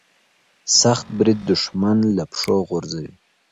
سخت برید دښمن له پښو غورځوي.